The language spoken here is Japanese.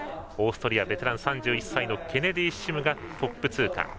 オーストリアベテラン３１歳のケネディシムがトップ通過。